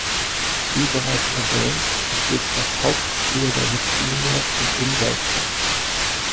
Wir bereits erwähnt, besteht das Hauptziel der Richtlinie im Umweltschutz.